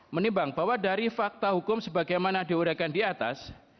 menimbang bahwa dari fakta hukum sebagaimana diuraikan di atas